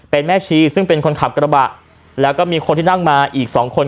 เป็นแม่ชีซึ่งเป็นคนขับกระบะแล้วก็มีคนที่นั่งมาอีกสองคน